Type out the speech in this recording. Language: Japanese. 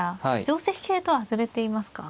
定跡形とは外れていますか。